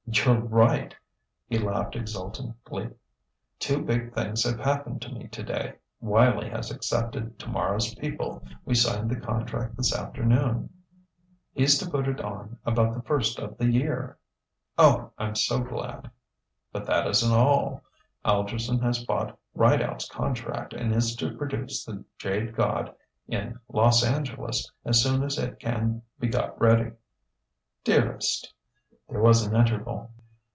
"You're right," he laughed exultantly: "two big things have happened to me today. Wylie has accepted 'Tomorrow's People': we signed the contract this afternoon; he's to put it on about the first of the year." "Oh, I'm so glad!" "But that isn't all: Algerson has bought Rideout's contract and is to produce 'The Jade God' in Los Angeles as soon as it can be got ready." "Dearest!" There was an interval....